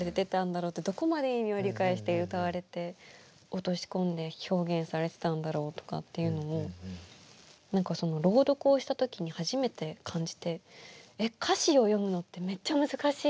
どこまで意味を理解して歌われて落とし込んで表現されてたんだろうとかっていうのも何かその朗読をした時に初めて感じてえっ歌詞を読むのってめっちゃ難しいって。